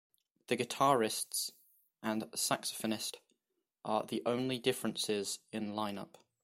The guitarists and saxophonist are the only differences in line-up.